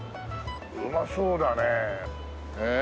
うまそうだねええ？